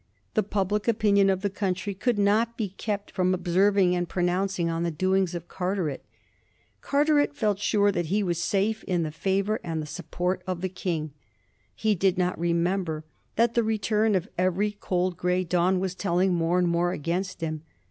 The public opinion of the country could not be kept from ob serving and pronouncing on the doings of Carteret. Car teret felt sure that he was safe in the favor and the sup port of the King. He did not remember that the return of every cold gray dawn was telling more and more against him.